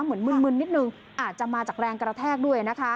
มึนนิดนึงอาจจะมาจากแรงกระแทกด้วยนะคะ